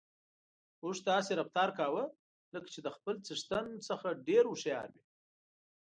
اوښ داسې رفتار کاوه لکه چې د خپل څښتن نه ډېر هوښيار وي.